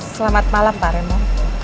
selamat malam pak raymond